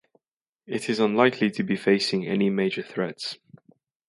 It is unlikely to be facing any major threats.